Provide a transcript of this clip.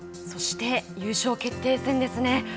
そして優勝決定戦ですね。